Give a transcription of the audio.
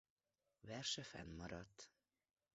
Verse fennmaradt.